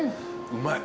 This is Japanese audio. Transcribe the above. うまい。